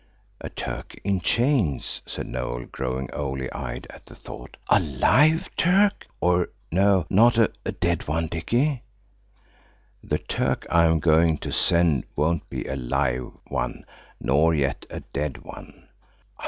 "A Turk in chains," said Noël, growing owley eyed at the thought–"a live Turk–or–no, not a dead one, Dicky?" "The Turk I'm going to send won't be a live one nor yet a dead one."